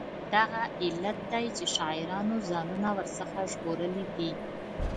همدغه علت دی چې شاعرانو ځانونه ور څخه ژغورلي دي.